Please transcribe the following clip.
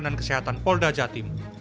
dan kesehatan polda jatim